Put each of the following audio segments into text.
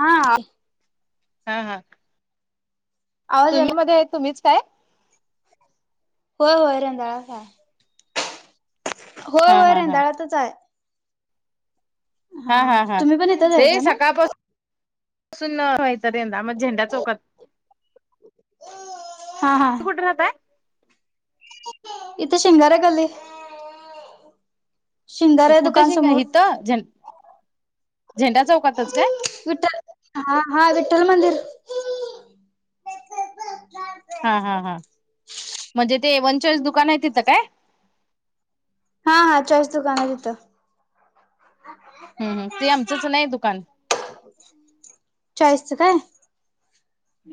हा हां हां आवाज तुम्ही याला मध्ये आहे तुम्हीच काय होय होय रेंदाळाच आहे होय हा होय हा हा रेंदाळातच आहे हा हा हा तुम्ही पण इथं ते जायच ना सकाळपासूनून मांदा मग झेंड्या चौकात हा हा कुठ होय इथे शिंगार गले कुठं शिंग हिथं झें झेंडा चौकातच काय विठ्ठल हा हा विठ्ठल मंदिर हा हा हा म्हणजे ते वनचॉईस दुकान आहे तिथं काय हा हा चारज दुकाना आहे तिथं हम् ते आमचंच नाही दुकान चॉईसचं काय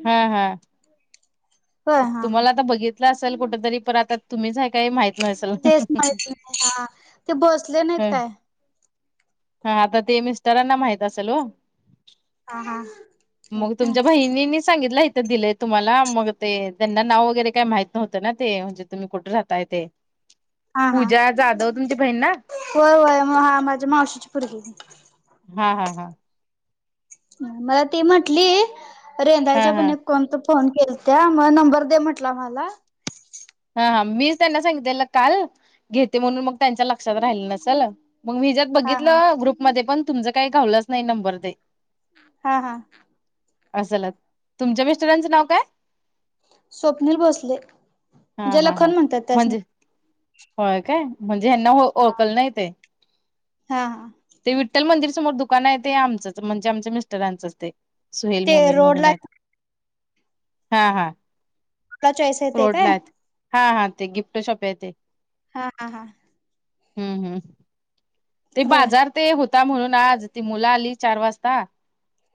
हम् हम होय हा हा तुम्हाला आता बघितलं असेल कुठ तरी पण आता तुम्हीचय काय माहिती तेच माहिित नाही हा ते बसले नाहीत काय हा आता ते मिस्टरांना माहत असेल हो हा हा मग तुमच्या हा बहिणीनी सांगितलं इथं दिलंय तुम्हाला मग ते त्यांना नाव वगैरे काय माहित नव्हतं ना ते म्हणजे तुम्ही कुठे राहताय ते हा हा पूजा जाधव तुमची बहीण ना? होय होय मग हा माझ्या मावशीची पर्गी हा हा हा मला ते म्हंटली हा रेधायच्या हा पण कोण त फोन केल त्या मग नंबर दे म्हटला मला हा हा मीच त्यांना सांगितलं काल घेते म्हणून मग त्यांच्या लक्षात राहिलं नसेल मग मी ज हा हा बघितलं ग्रुप मध्ये पण तुमचं काही घावलंच नाही नंबर ते हा हा असल तुमच्या मिस्टोरंटचं नाव काय स्वप्नील भोसले हा म्हणजे हा हा लखन म्हणतात त्याच नाही म्हणजे होय काय म्हणजे हना ओळखल नाही ते हा हा ते विठ्ठल मंदिर समोर दुकान आहे ते आमचंच म्हणजे आमच्या मिस्टरांचंच ते सुहेल ते मोमन म्हणून रोडला आहेत हा हा आपला चॉईस आहे ते रोडला काय आहेत हा हा ते गिफ्ट शॉप आहे ते हा हा हा हम्म हम्म ते होय बाजार ते होता म्हणून आज ती मुला आली चार वाजता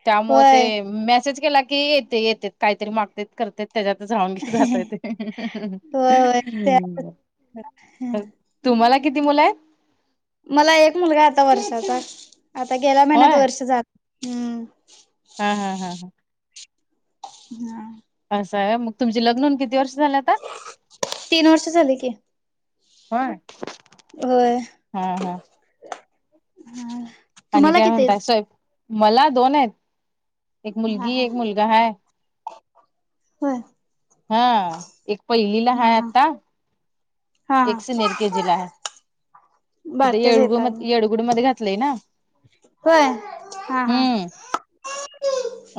त्यामुळे होय ते मेसेज केला की येते येतेत काहीतरी मागते करते त्याच्यात जाऊून घे जातय ते होय होय ते तुम्हाला किती मुलं आहेत मला एक मुलगा आता वर्षाचा आता गेल्या महिन्यात होय वर्ष जात हम् हा हा हा हा हम् असं आहे मग तुमचे लग्न किती वर्ष झालं आता तीन वर्ष झाली की हा होय हा ह आणि काय म्हणताय स मला दोन आहेत एक हा मुलगी हा एक मुलगा हाय होय हा एक पहिलीला हा हाय हा आता हा हा एकशे नर के जी ला आहे तिथ बारक्याच आहेत येडगु म आम्ही येडगुड मध्ये घातलंय ना होय हा हा हम्म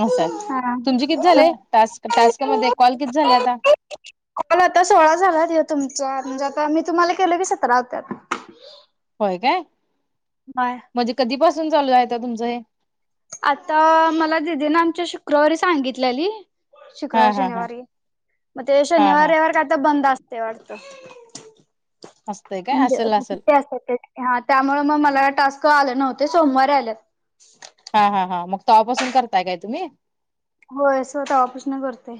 असं आहे हा तुमचे किती हा. झालेय टास्क टास्क मध्ये कॉल कि झाले आता [inaudible] मला आता सोळा झालात तुमचा म्हणजे आता मी तुम्हाला केलं की सतरा होत्यात होय काय बरय म्हणजे कधीपासून चालू आहे त्या तुमचं हे आता मला दिदीने आमच्या शुक्रवारी सांगितल्याली हा शुक्रवार हा हा शनिवारी मग ते हा हा शनिवारीवर काय तर बंद असत ते वाटत असतंय काय म्हणजे असेल असेल कि असतात ते हा त्यामुळे मग मला टास्क आले नव्हते सोमवारीे आले हा हा हां मग तोपासून करताय काय तुम्ही होय स्वतः अपश्न करते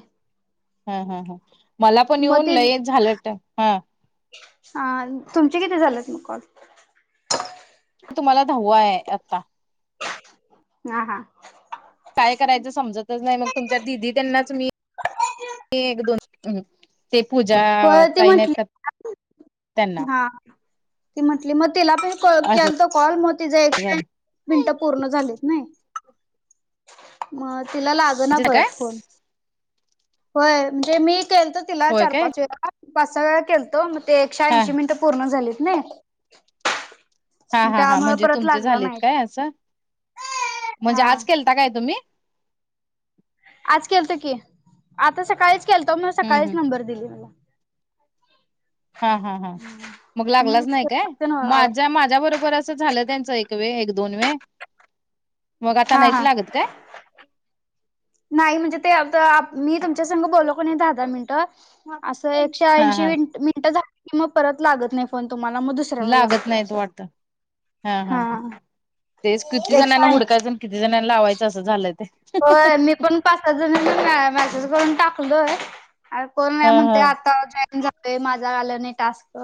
हम हम ह मला पण येऊन लय झालं हा अ तुमचे किती झालेत मग कॉल की तुम्हाला धाववा आहे आता हा हा काय करायचं समजतच नाही मग तुमच्या दिदी त्यांनाच मी एक दोन हम् ते पूजा होय ती तई नाहीत म्हंटली का त्यांना हा ती म्हटली मग तिला पण असं केल त कॉल मग तिचा एक्ं झालं मिनट पूर्ण झाली नाही म तिला म्हणजे काय म्हण तच होय काय पाच स वेळा केलतो मग ते एकशे हा ऐंशी मिनिटं पूर्ण झालीत ना हा हा हां म्हणजे तुमचे झालेत काय असं म्हणजे हा आज केलता काय तुम्ही आज केलत की आता सकाळीच केलतो म हम्म सकाळीच हम्म नंबर दिली मला हा हा हा मग लागलाच नाही काय मग माझ्या माझ्या बरोबरच झालं त्यांच एक व एक दोन वे मग आता हा नाहीच हा लागत काय नाही म्हणजे ते मी तुमच्या संघ बोलो नाही दहा दहा मिनटं असं एकशे हा ऐंशी हा मिनटं झा की मग परत लागत नाही फोन तुम्हाला मग दुसऱ्या वेळेला लागत लागतोय नाही त असं. वाटत. हा हा तेच किती जणांना एकशे ऐंशी हुडकायचं आणि किती जणांना लावायचं असं झालंय ते. होय मी पण पाच सहा जणांनी मेसेज करून टाकलोय, कोण हा नाही म्हणते हा आ जॉईन झालय माझा आलं नाही टास्क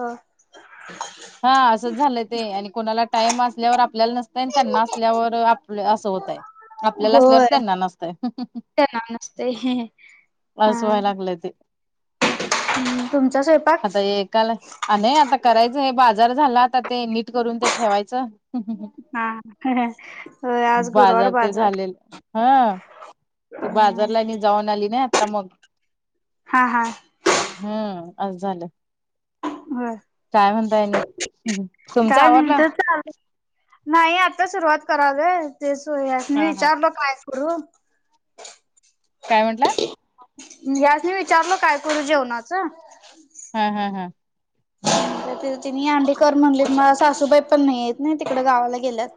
हा असंच झालंय ते आणि कोणाला टाइम असल्यावर आपल्याला नसतय आणि त्यांना असल्यावर आपलं असं होतय आपल्याला असल्यावर होय त्यांना नसतय त्यांना नसते. हा असं व्हायला लागलंय ते हम्म तुमचा स्वयंपाक? आता एकाला आणि आता करायच- बाजार झाला आता ते नीट करून ते ठेवायचं. हा होय आज गुरुवार बाजार ते झालेलं. हा ते बाजारला हा मी जाऊन आली ना, आता मग. हा हा. हम्म आज झालं. होय काय म्हणताय आणि? तुमच काय नाही आवरलं? तर चाल नाही. आता सुरुवात करालाय, ते ह्यास्नी हा हा विचारलो काय हो. काय म्हंटलं? मी ह्यास्नी विचारलो काय करू? जेवणाचं. हा हा हा. त्यांनी अंडी कर म्हणलेत माझ्या सासूबाई पण नाहीयेत ना, तिकडे गावाला गेल्यात.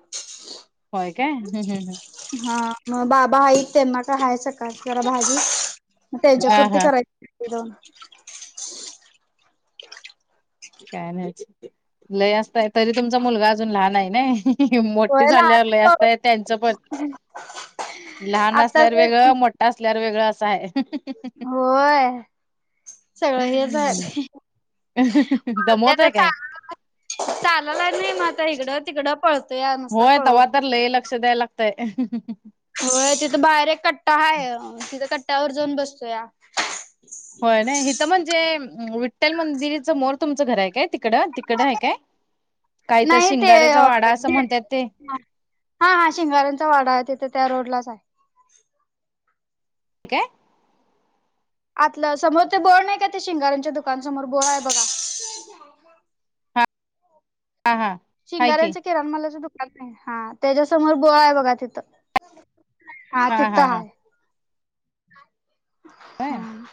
होय काय. ह ह. हा, मग बाबा, आई तेना का हयच जरा भाजी म हा त्यांच्यापुरती हा करायची [unintelligible] काय नाही, लय असताय. तरी तुमचा मुलगा अजून लहान आहे ना. मोठे होय झाल्यावर लय लहान असतय त्यांचं पण, लहान आताच असल्यावर वेगळं, मोठ असल्यावर वेगळं असं आहे. होय. सगळं हेच आहे. दमवतो काय? चालयाला लागलाय, मग आता हीकडं, तिकडं. पळतया होय. तवा तर लय लक्ष द्याय लागतय. होय. तिथं बाहेर एक कट्टा हाय तिथं कट्ट्यावर जाऊन बसतोया. होय न हित म्हणजे विठ्ठल मंदिरा समोर तुमचं घर आहे काय तिकडं, तिकडं आहे काय? [inaudible] नाही ते शिंगारेचा वाडा असं म्हणतात ते [inaudible] हा, हा, शिंगाऱ्यांचा वाडा आहे, तिथे त्या रोड लाच आहे. काय? आतलं, समोर ते बोळ नाही का, ते शिंगारांच्या दुकान समोर बोळ आहे बघा. हा हा. हाय की शिंगाऱ्यांचं किराणमालाचं दुकान आहे. हा त्याच्यासमोर बोळ आहे, बघा तिथं. हा तिथ हाय. काय हम्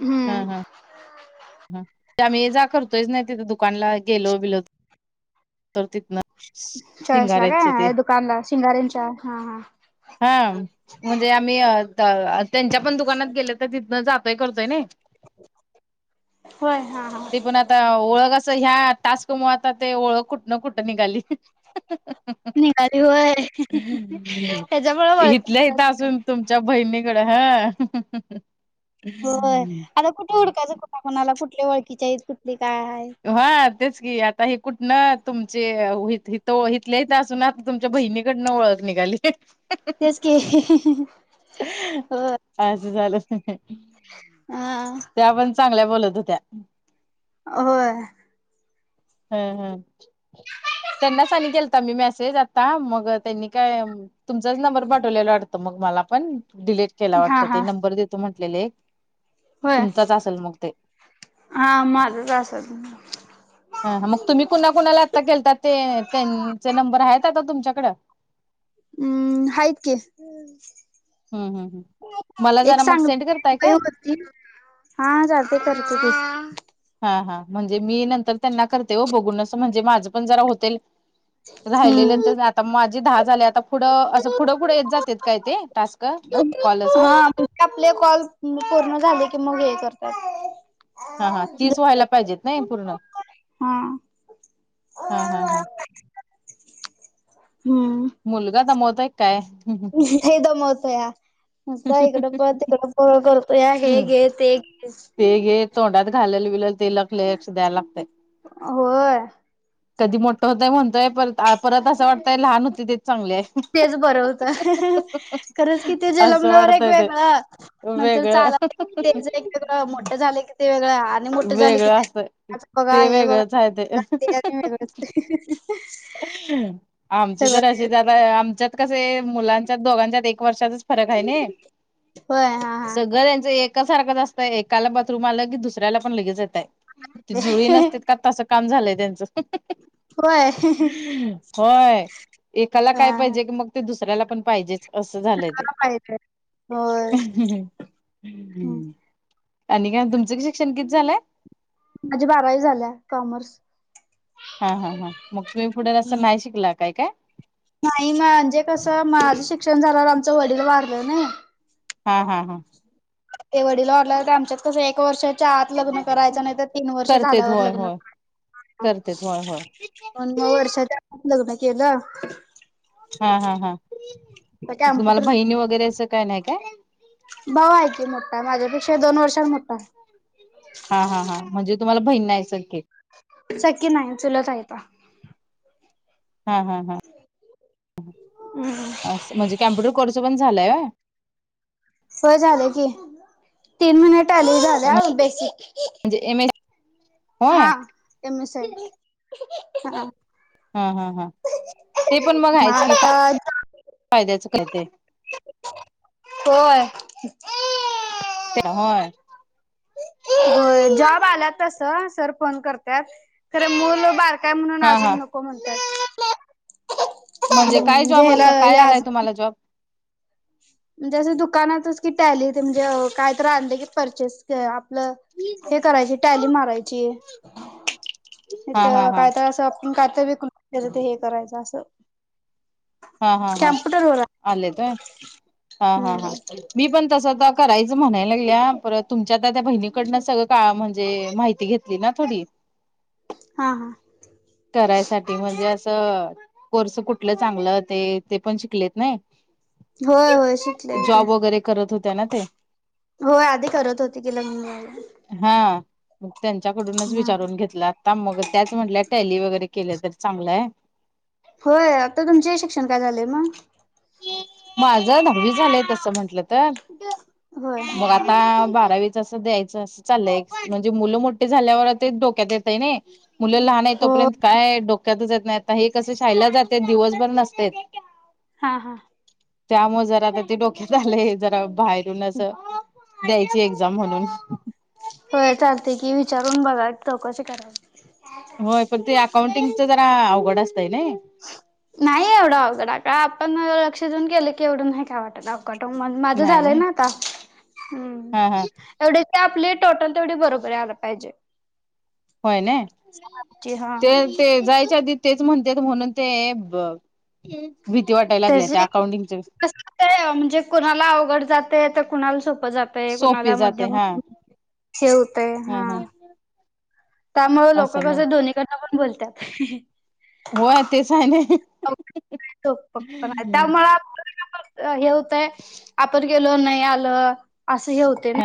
हम्. हा हा. ह ते आम्ही ये जा करतोच नाही, तिथे दुकानला गेलो बिलो तर तिथन चॉईस ला काय हाय दुकानला शिंगारंच्या, हा हा. हा, म्हणजे आम्ही त त्यांच्या पण दुकानात गेले तर तिथनं जातोय करतोय नाही. होय हा हा. ते पण आता ओळख असं, ह्या टास्कमुळे आता ते ओळख कुठन कुठं निघाली. निघाली होय ह्याच्यामुळे वळ इथल्या इथं असून तुमच्या बहिणीकडे हां. होय, आता कुठ हुडकायचं कुणा, कोणाला कुठले ओळखीचे आहेत कुठली काय? व्हय तेच की, आता हे कुठन तुमचे व्हुईत. तो इथल्या इथ असून आता तुमच्या बहिणीकडनं ओळख निघाली. तेच असं झालं क हा त्या पण चांगल्या बोलत होत्या. होय. हम्म हम्म त्यांनाच आणि केेलता मी मेसेज आता मग त्यांनी काय तुमचाच नंबर पाठवलेला वाटतं मग मला पण डिलीट केला हा वाटतं ते हा नंबर देतो म्हटलेले. होय तुमचाच असेल मग ते. हा माझचं आसल. हा मग तुम्ही कुणा कुणाला आत्ता केलतात ते त्यांचे नंबर आहेत आता तुमच्याकडं. हम्म हायत की. हम् हम मला एक जरा मग सांग सेंड करताय काय? यावरती. हा चालते करते की. हा हा म्हणजे मी नंतर त्यांना करते हो बघून असं म्हणजे माझं पण जरा होतेल. राहिलेलं हम्म तर आता माझे दहा झाले आता पुढं असं पुढं पुुढं येत जातात काय ते टास्क. कॉल असं हा आपले कॉल पूर्ण झाले की मग हे करतायत. हा हा तीस व्हायला पाहिजेत नाही पूर्ण. हां. हां हां हां. हम्म. मुलगा दमयतोय काय? लय दमयतोया नुसत इकडं पळ तिकडं हो करतोया हे घे ते गे. ते घे तोंडात घालेल विलेल ते लक लक्ष द्याय लागतय. होय. कधी मोठं होतय म्हणतोय परत परत असं वाटतंय लहान होते तेच चांगले आहे. तेच बरं होत खरंच की ती असं जनमल्यावर एक वाटतय ते वेगळ नंतर चाल तेच वेगळं एक वेगळं, मोठं झालंय की ते वेगळं. आणि मोठं झाले की वेगळं असत बघा ते हे बघा वेगळंच आहे ते वेगळंच. आमचे तर सगळं असे जात आमच्यात कसय मुलांच्या दोघांच्यात एक वर्षाचाच फरक आहे ना. होय हा हा सगळं त्यांचं एका सारखंच असतय एकाला बाथरूम आलं की दुसऱ्याला पण लगेच येतय. ते जुळी नसते का तसं काम झालंय त्यांचं. होय होय एकाला हा काय पाहिजे की मग ते दुसऱ्याला पण पाहिजेच. असं झालंय ते. हा पाहिजे होय आणि काय तुमचं शिक्षण किती झालंय? माझी बारावी झाल्या... कॉमर्स हा हा हा... मग तुम्ही पुढे... असं नाही शिकला काय काय? नाही म्हणजे कसं, माझं शिक्षण झाल्यावर आमचं वडील वारलं ना हा हा हा ते वडील वारल्यावर काय आमच्यात कसं एक वर्षात च्या आत लग्न करायच नाही तर तीन वर्ष करतेत झाल्यावर होय लग्न होय [unintelligible] करतेत होय होय पण मग वर्षाच्या आताच लग्न केलं हा हा हा, तर मग तुम्हाला कॅम्प्युटर बहिणी वगैरे असं काय नाही काय? भाऊ हाई की मोठा, माझ्यापेक्षा दोन वर्षाने मोठा हाय हा हा हां म्हणजे तुम्हाला बहिण नाही सख्खी सख्खी नाय... चुलत हायता हा हा हा. हम्म. अस म्हणजे कॅम्प्युटर कोर्स पण झालाय. होय झालं की तीन मिनिट आली. झालंय बेसीक म्हणजे एम एस होय हां. M S C I T हा. हा हा हा. ते पण मग आहेच की [unintelligible] फायद्याचं काय ते होय [unintelligible] होय... जॉब आल्या तसं... सर फोन करत्यात, खरं मुूलं बारकाय म्हणून हा हा अजून नको म्हणतात... काय म्हणजे जॉब ह्याला असा हे काय आलाय अजून तुम्हाला जॉब म्हणजे असं दुकानातच की टॅली अन ते म्हणजे काय तर आणले की परचेस आपलं हे करायची... टॅली मारायचीए नायतर हा हा तर हा कायतर असं, आपण कायतर विकून त्याचं ते हे करायचं, असं हा हा हा कॅम्प्युटर वर आलेत होय हा हा हा हम्म मी पण तसं तर करायचं म्हणाय लागल्या, पर तुमच्या त्या त्या बहिणीकडनं सगळं काळ, म्हणजे माहिती घेत ली ना थोडी हा हा करायसाठी म्हणजे असं कोर्स कुठलं चांगलं ते, ते पण शिकलेत नाई? होय होय, शिकलं की ते वगैरे करत होत्या ना ते होय, आधी करत होती की लग्न झाल्यावर हा, मग त्यांच्याकडूनच विचारून घेतलं आता, मग त्याच म्हटल्या टॅली वगैरे केलं तर चांगलंय होय, आता तुमचं शिक्षण काय झालय मग माझं नववी झालंय तसं म्हटलं तर होय हा मग हा आता, बारावीचं असं द्यायचं असं चाललंय म्हणजे मुलं मोठी झाल्यावर ते डोक्यात येतय नै मुलं लहान आहे हो तोपर्यंत काय डोक्यातच येत नाही, आता हे कसं शाळेत जातेत दिवसभर नसतेत हा हा त्यामु जरा आता ते डोक्यात आलंय, जरा बाहेरून असं द्यायची एक्झाम म्हणून होय चालतंय की विचारून बघा, चौकशी करा होय, पण ते अकाउंटिंगच जरा, अवघड असतय नई? नाही एवढं अवघड, काय आपण लक्ष देऊन केलं की एवढं नाही काय वाटत [unintelligible] माझं नाही झालंय नाही ना आता हम् हा हा तेवढी ती आपली टोटल तेवढी बरोबर यायला पाहिजे होय नं, सहाची हा. ते ते जायच्या आधी तेच म्हणत्यात म्हणून ते भीती वाटायला लागल्या त्या त्याची अकाउंटिंगचे कस म्हणजे कुणाला अवघड जाते तर कुणाला सोपं जात सोपे कणाला जाते मध्यम हा हे होतय ह हा ह त्यामु लोक असं मग कसं दो्हीकडनं पण बोलतात होय तेच आहे ना प त्यामु हे होतय आपण गेलो नाही आलं असं हे होत ना